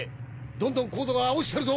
どんどん高度が落ちてるぞ！